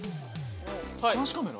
監視カメラ？